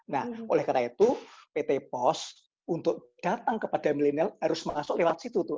nah oleh karena itu pt pos untuk datang kepada milenial harus masuk lewat situ tuh